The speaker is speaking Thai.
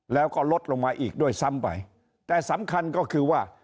แล้วก็ลดลงมาอีกด้วยซ้ำไปแต่สำคัญก็คือว่า